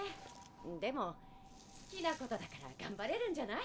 でも・好きなことだから頑張れるんじゃない？